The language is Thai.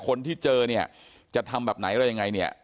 คนที่เจอเนี่ยจะทำแบบไหนอะไรยังไงเนี่ย